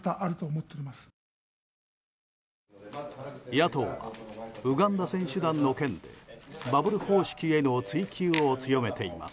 野党はウガンダ選手団の件でバブル方式への追及を強めています。